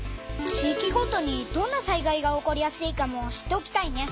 地いきごとにどんな災害が起こりやすいかも知っておきたいね。